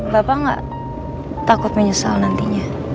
bapak nggak takut menyesal nantinya